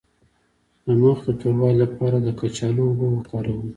د مخ د توروالي لپاره د کچالو اوبه وکاروئ